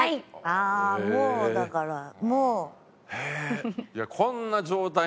ああもうだからもう。え！